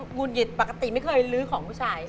ุดหงิดปกติไม่เคยลื้อของผู้ชาย